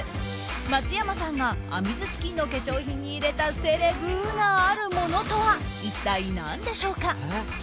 松山さんがａｍｉｓｓｋｉｎの化粧品に入れたセレブなあるものとは一体何でしょうか。